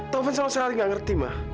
taufan sama senari nggak ngerti ma